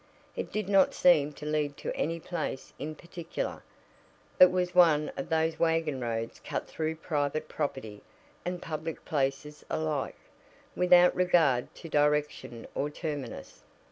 It did not seem to lead to any place in particular, but was one of those wagon roads cut through private property and public places alike, without regard to direction or terminus.